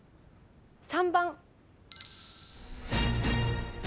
３番。